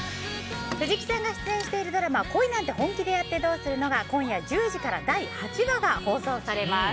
藤木さんが出演しているドラマ「恋なんて、本気でやってどうするの？」は今夜１０時から第８話が放送されます。